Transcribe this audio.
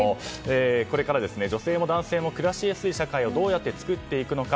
これから女性も男性も暮らしやすい社会をどうやって作っていくのか。